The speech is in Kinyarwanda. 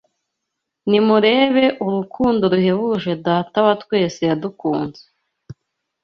Nimurebe urukundo ruhebuje Data wa twese yadukunze